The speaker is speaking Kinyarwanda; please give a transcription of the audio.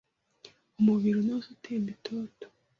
Umubiri unoze utemba itoto